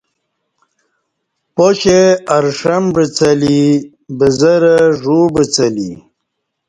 پاشی ارݜم بعڅہ لی بزہ رہ ژ و بعڅلی